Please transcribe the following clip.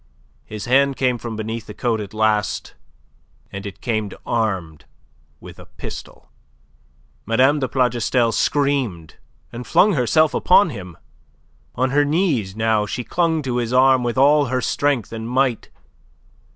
His hand came from beneath the coat at last, and it came armed with a pistol. Mme. de Plougastel screamed, and flung herself upon him. On her knees now, she clung to his arm with all her strength and might.